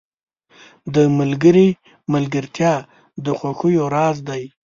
• د ملګري ملګرتیا د خوښیو راز دی.